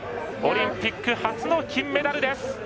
オリンピック初の金メダルです！